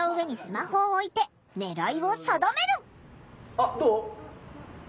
あっどう？